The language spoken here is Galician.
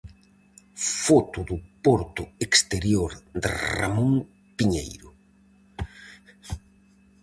Foto do porto exterior de Ramón Piñeiro.